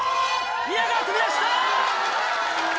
宮川飛び出した！